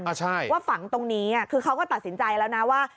ใช่ว่าฝังตรงนี้อ่ะคือเขาก็ตัดสินใจแล้วนะว่า